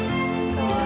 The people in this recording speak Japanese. かわいい。